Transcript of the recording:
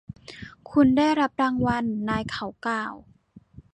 คุณได้รับรางวัลนายเขากล่าว